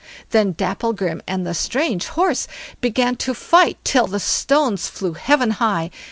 Then Dapplegrim and the strange horse began to fight till the stones flew heaven high.